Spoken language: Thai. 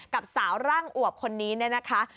กับสาวร่างอวบคนนี้เนี่ยนะคะ